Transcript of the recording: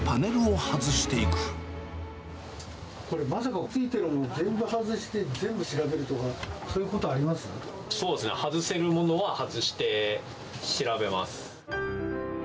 これ、まさかすべてを全部外して、全部調べるとか、そういうことあそうですね、外せるものは外して調べます。